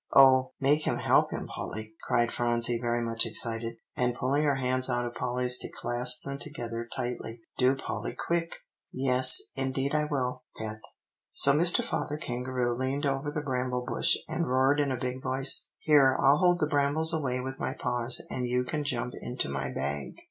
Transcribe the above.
'" "Oh, make him help him, Polly," cried Phronsie very much excited, and pulling her hands out of Polly's to clasp them together tightly. "Do, Polly, quick!" "Yes; indeed I will, Pet. So Mr. Father Kangaroo leaned over the bramble bush, and roared in a big voice, 'Here, I'll hold the brambles away with my paws, and you can jump into my bag.